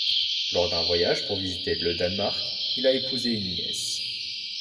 Lors d'un voyage pour visiter le Danemark, il a épousé une nièce.